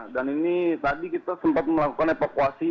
dan ini tadi kita sempat melakukan evakuasi